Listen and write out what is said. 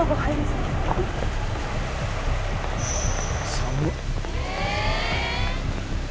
「寒っ」